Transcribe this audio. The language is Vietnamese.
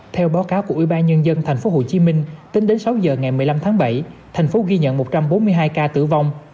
theo báo cáo của ubnd tp hcm tính đến sáu giờ ngày một mươi năm tháng bảy thành phố ghi nhận một trăm bốn mươi hai ca tử vong